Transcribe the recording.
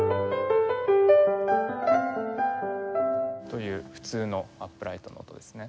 という普通のアップライトの音ですね。